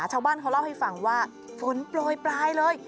ชาวบ้านเขาเล่าให้ฟังว่าฝนโปรยปลายเลย